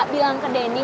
bilang ke denny